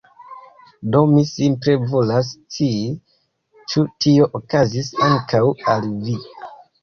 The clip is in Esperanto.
Do mi simple volas scii ĉu tio okazis ankaŭ al vi.